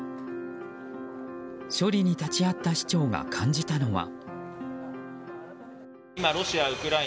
処理に立ち会った市長が感じたのは。